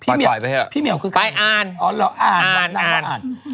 พี่เหมียวพี่เหมียวคือใครพี่เหมียวพี่เหมียวคือใคร